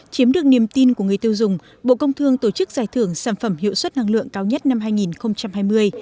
chiếm được niềm tin của người tiêu dùng bộ công thương tổ chức giải thưởng sản phẩm hiệu suất năng lượng cao nhất năm hai nghìn hai mươi